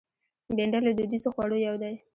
بېنډۍ له دودیزو خوړو یو دی